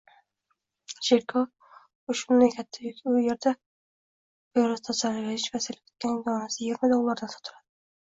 Cherkov bu shunday katta uyki, u erda perotozalagich va salfetkaning donasi yigirma dollardan sotiladi